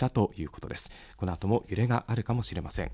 このあとも揺れがあるかもしれません。